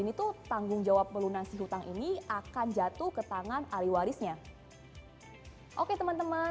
itu tanggung jawab melunasi hutang ini akan jatuh ke tangan ahli warisnya oke teman teman